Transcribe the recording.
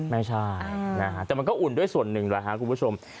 ไม่ใช่แต่มันก็อุ่นด้วยส่วนหนึ่งด้วยคุณผู้ชม